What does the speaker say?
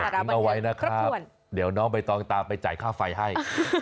ทิ้งเอาไว้นะครับเดี๋ยวน้องใบตองตามไปจ่ายค่าไฟให้